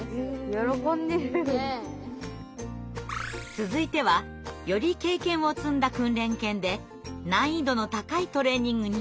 続いてはより経験を積んだ訓練犬で難易度の高いトレーニングに挑戦。